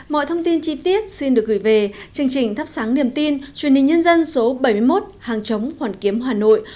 mọi thông tin chi tiết xin được gửi về chương trình thắp sáng niềm tin truyền hình nhân dân số bảy mươi một hàng chống hoàn kiếm hà nội